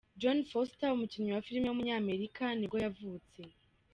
Jon Foster, umukinnyi wa film w’umunyamerika nibwo yavutse.